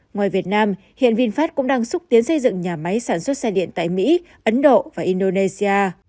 ngoài việt nam hiện vinfast cũng đang xúc tiến xây dựng nhà máy sản xuất xe điện tại mỹ ấn độ và indonesia